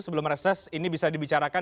sebelum reses ini bisa dibicarakan